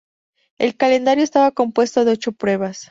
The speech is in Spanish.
El calendario estaba compuesto de ocho pruebas.